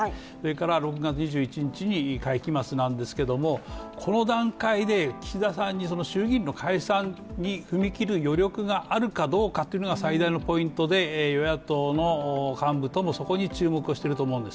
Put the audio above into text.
６月２１日に会期末なんですけれども、この段階で岸田さんに衆議院の解散に踏み切る余力があるかどうかが最大のポイントで与野党の幹部ともそこに注目をしていると思うんです。